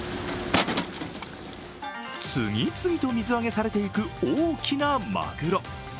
次々と水揚げされていく大きなマグロ。